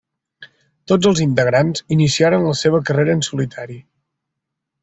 Tots els integrants iniciaren la seva carrera en solitari.